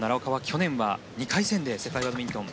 去年は２回戦で世界バドミントン